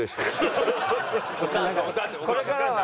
これからは。